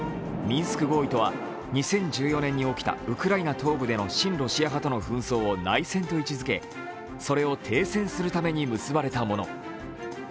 ミンスク合意とは、２０１４年に起きたウクライナ東部での親ロシア派との紛争を内戦と位置づけ、それを停戦するために結ばれたもの。